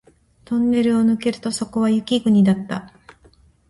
トンネルを抜けるとそこは雪国だった